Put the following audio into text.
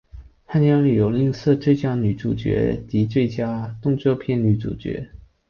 颁奖礼有另设最佳女主角及最佳动作片女主角。